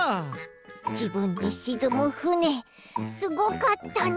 じぶんでしずむふねすごかったね！